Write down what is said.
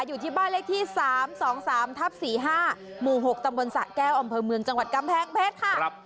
อยู่ที่บ้านเลขที่๓๒๓๔๕หมู่๖ตศแก้วอเมืองจังหวัดกำแพงเพชรค่ะ